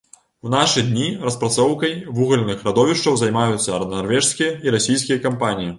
У нашы дні распрацоўкай вугальных радовішчаў займаюцца нарвежскія і расійскія кампаніі.